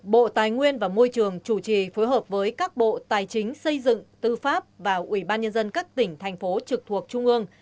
bộ tài nguyên và môi trường chủ trì phối hợp với các bộ tài chính xây dựng tư pháp và ubnd các tỉnh thành phố trực thuộc trung ương